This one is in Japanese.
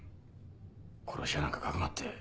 殺し屋なんかかくまって。